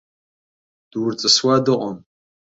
Дурҵысуа дыҟам.